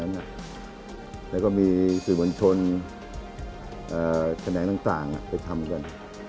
ห้ามเหมือนนั้นและก็มีสื่อมัญชนแชนแหน่งต่างไปทำกัน